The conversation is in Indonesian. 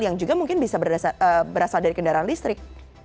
yang juga mungkin bisa berasal dari kendaraan listrik